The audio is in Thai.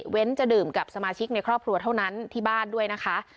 จะดื่มกับสมาชิกในครอบครัวเท่านั้นที่บ้านด้วยนะคะ